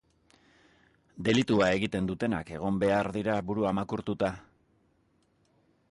Delitua egiten dutenak egon behar dira burua makurtuta.